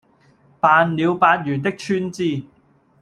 辦了八元的川資，